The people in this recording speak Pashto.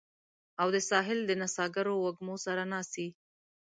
او د ساحل د نڅاګرو وږمو سره ناڅي